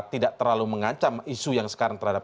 tidak terlalu mengancam isu yang sekarang terhadap